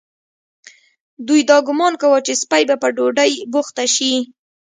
دوی دا ګومان کاوه چې سپۍ به په ډوډۍ بوخته شي.